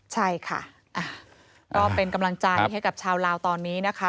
ใช่ค่ะก็เป็นกำลังใจให้กับชาวลาวตอนนี้นะคะ